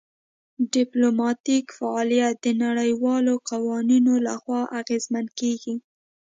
ډیپلوماتیک فعالیت د نړیوالو قوانینو لخوا اغیزمن کیږي